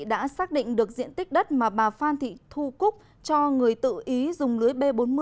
đã xác định được diện tích đất mà bà phan thị thu cúc cho người tự ý dùng lưới b bốn mươi